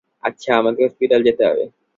আচ্ছা, আমাকে হসপিটালে যেতে হবে।